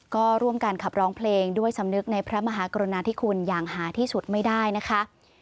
ก็ร่วมกันขับร้องเพลงด้วยสำนึกในพระมหากรุณาธิคุณอย่างหาที่สุดไม่ได้นะคะ